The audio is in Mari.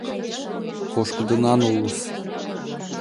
— Пошкудынан улыс.